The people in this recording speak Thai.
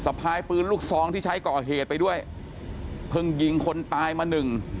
พายปืนลูกซองที่ใช้ก่อเหตุไปด้วยเพิ่งยิงคนตายมาหนึ่ง